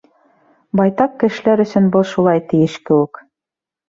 Байтаҡ кешеләр өсөн был шулай тейеш кеүек.